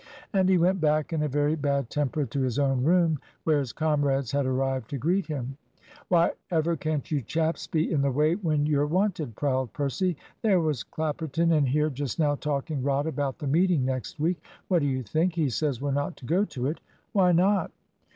And he went back in a very bad temper to his own room, where his comrades had arrived to greet him. "Why ever can't you chaps be in the way when you're wanted?" prowled Percy. "There was Clapperton in here just now talking rot about the meeting next week. What do you think? He says we're not to go to it." "Why not?"